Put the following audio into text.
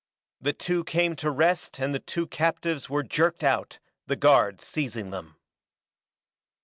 The two came to rest and the two captives were jerked out, the guards seizing them.